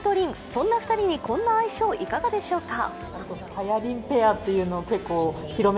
そんな２人に、こんな愛称いかがでしょうか？